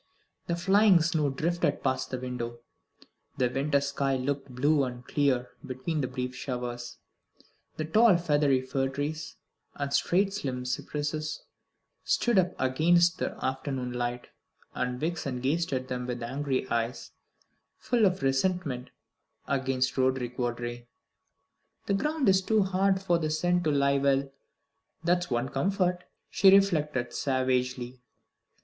The flying snow drifted past the window; the winter sky looked blue and clear between the brief showers, the tall feathery fir trees and straight slim cypresses stood up against the afternoon light, and Vixen gazed at them with angry eyes, full of resentment against Roderick Vawdrey. "The ground is too hard for the scent to lie well, that's one comfort," she reflected savagely.